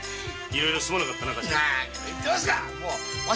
いろいろすまなかったな頭。